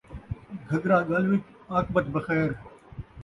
گھگھرا ڳل وِچ ، عاقبت بخیر